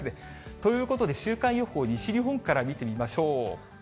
ということで、週間予報、西日本から見てみましょう。